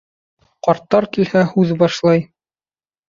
Ҡарттар килһә һүҙ башлай.